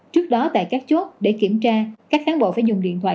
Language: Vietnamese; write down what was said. trước đó tại các chốt để kiểm tra các cán bộ phải dùng điện thoại